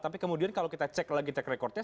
tapi kemudian kalau kita cek lagi tek rekordnya